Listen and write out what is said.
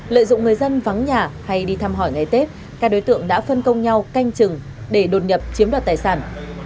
lợi dụng người dân vắng nhà hay đi thăm hỏi ngày tết các đối tượng đã phân công nhau canh chừng để đột nhập chiếm đoạt tài sản